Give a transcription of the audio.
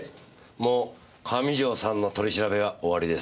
もう上条さんの取り調べは終わりです。